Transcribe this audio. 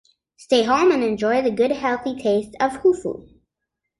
Stay home and enjoy the good healthy taste of hufu.